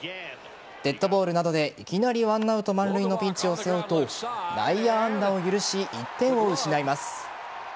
デッドボールなどでいきなり１アウト満塁のピンチを背負うと内野安打を許し、１点を失います。